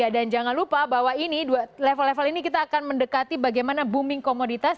dan jangan lupa bahwa ini level level ini kita akan mendekati bagaimana booming komoditas